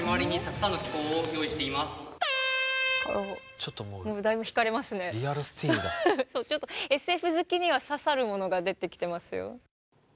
ちょっとＳＦ好きには刺さるものが出てきてますよ。